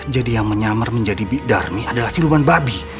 jadi yang menyamar menjadi bidarni adalah siluman babi